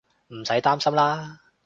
唔使擔心喇